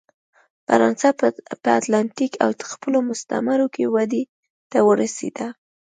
فرانسه په اتلانتیک او خپلو مستعمرو کې ودې ته ورسېده.